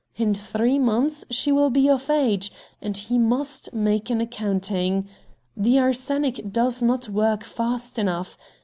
In three months she will be of age, and he must make an accounting. The arsenic does not work fast enough.